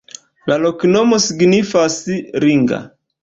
La loknomo signifas: ringa.